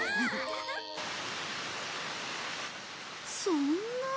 そんな。